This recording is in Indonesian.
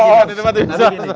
oh di tv swasta